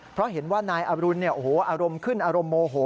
เพราะเห็นว่านายอรุณอารมณ์ขึ้นอารมณ์โมโห